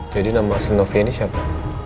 jadi nama asli novia ini siapa